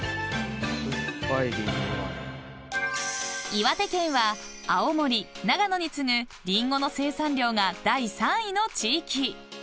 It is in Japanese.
［岩手県は青森長野に次ぐりんごの生産量が第３位の地域］